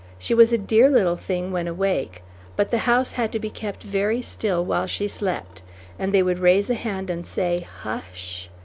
She was a dear little thing when awake, but the house had to be kept very still while she slept, and they would raise a hand and say, "Hu sh!"